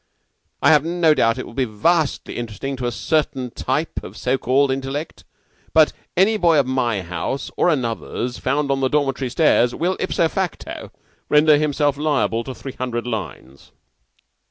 I have no doubt it will be vastly interesting to a certain type of so called intellect; but any boy of my house or another's found on the dormitory stairs will ipso facto render himself liable to three hundred lines."